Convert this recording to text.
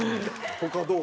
他どう？